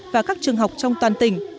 và các trường học trong toàn tỉnh